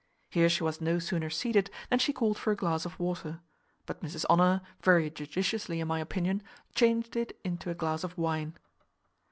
Here she was no sooner seated than she called for a glass of water; but Mrs Honour, very judiciously, in my opinion, changed it into a glass of wine.